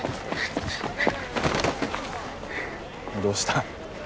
どうした。